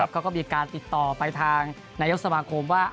เขาก็มีการติดต่อไปทางนายกสมาคมว่า